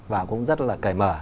và cũng rất là cởi mở